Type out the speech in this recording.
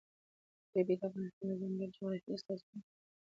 ژبې د افغانستان د ځانګړي جغرافیه استازیتوب کوي.